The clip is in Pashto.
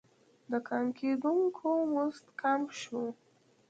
د کان کیندونکو مزد کم شو.